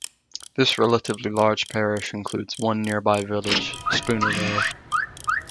This relatively large parish includes one nearby village, Spooner Row.